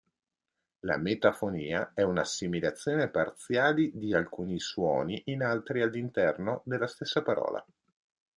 La metafonia è un'assimilazione parziali di alcuni suoni in altri all'interno della stessa parola.